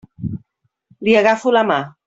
Li agafo la mà.